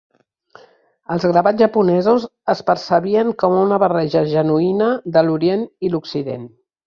Els gravats japonesos es percebien com a una barreja genuïna de l'orient i l'occident.